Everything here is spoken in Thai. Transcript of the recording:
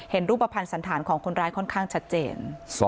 รูปภัณฑ์สันธารของคนร้ายค่อนข้างชัดเจน